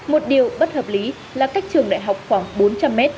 một điều bất hợp lý là cách trường đại học khoảng bốn trăm linh m